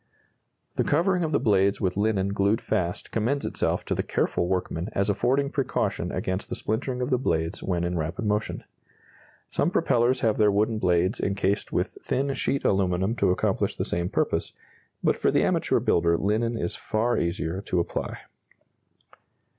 The covering of the blades with linen glued fast commends itself to the careful workman as affording precaution against the splintering of the blades when in rapid motion. Some propellers have their wooden blades encased with thin sheet aluminum to accomplish the same purpose, but for the amateur builder linen is far easier to apply.